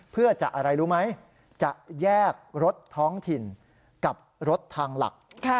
เพื่อจะอะไรรู้ไหมจะแยกรถท้องถิ่นกับรถทางหลัก